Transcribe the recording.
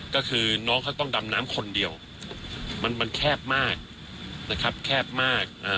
ก็คือน้องเขาต้องดำน้ำคนเดียวมันแคบมากนะครับแคบมาก